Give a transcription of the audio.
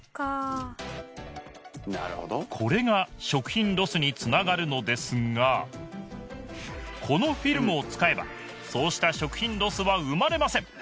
これが食品ロスに繋がるのですがこのフィルムを使えばそうした食品ロスは生まれません